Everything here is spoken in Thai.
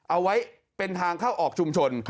เอาไว้เป็นทางเข้าออกชุมชน